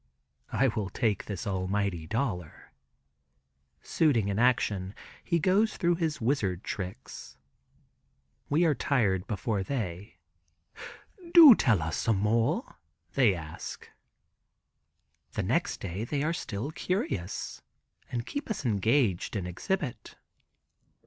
I will take this almighty dollar," suiting in action, he goes through some wizard tricks. We are tired before they. "Do tell us some more," they ask. The next day they are still curious, and keep us engaged in exhibit.